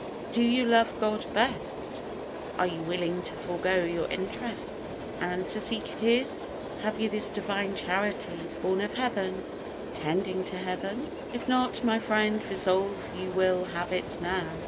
Do you love God best? Are you willing to forego your interests, and to seek His? Have you this Divine Charity, born of Heaven, tending to Heaven? If not, my friend, resolve you will have it now.